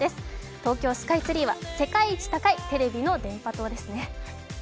東京スカイツリーは世界一高いテレビの電波塔ですね。